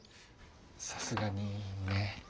さすがにね。